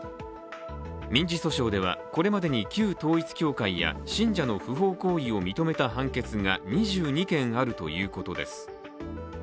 民事訴訟ではこれまでに旧統一教会や信者の不法行為を認めた判決が２２件あるということです。